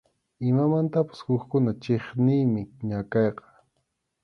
Imamantapas hukkuna chiqniymi ñakayqa.